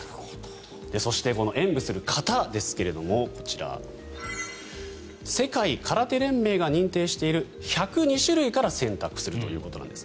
そして演武する形ですけどこちら世界空手連盟が認定している１０２種類から選択するということです。